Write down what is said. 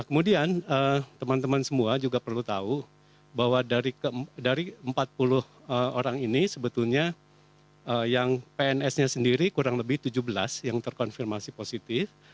kemudian teman teman semua juga perlu tahu bahwa dari empat puluh orang ini sebetulnya yang pns nya sendiri kurang lebih tujuh belas yang terkonfirmasi positif